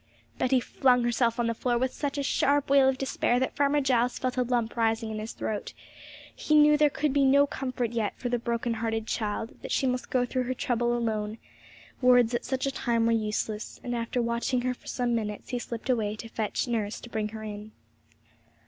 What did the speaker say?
Betty flung herself on the floor with such a sharp wail of despair that Farmer Giles felt a lump rising in his throat He knew there could be no comfort yet for the broken hearted child; that she must go through her trouble alone words at such a time were useless; and after watching her for some minutes, he slipped away to fetch nurse to bring her in.